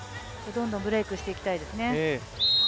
どんどんブレイクしていきたいですね。